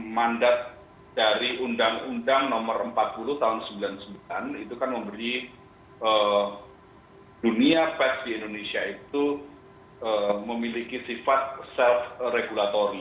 mandat dari undang undang nomor empat puluh tahun seribu sembilan ratus sembilan puluh sembilan itu kan memberi dunia pers di indonesia itu memiliki sifat self regulatory